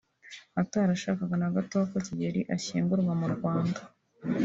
utarashakaga na gato ko Kigeli ashyingurwa mu Rwanda